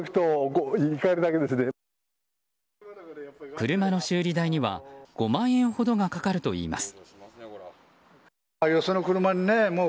車の修理代には５万円ほどがかかるといいます。